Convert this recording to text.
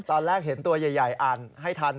ตอนแรกเห็นตัวใหญ่อ่านให้ทัน